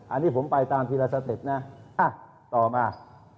อันนี้ผมไปตามทีละสเต็ปนะต่อมา